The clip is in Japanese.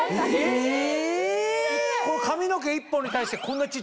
え⁉髪の毛１本に対してこんな小っちゃいの？